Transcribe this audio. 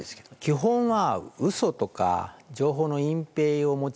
基本は。